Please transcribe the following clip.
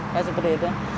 kayak seperti itu